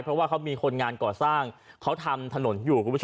เพราะว่าเขามีคนงานก่อสร้างเขาทำถนนอยู่คุณผู้ชม